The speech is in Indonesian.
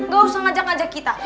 gak usah ngajak ngajak kita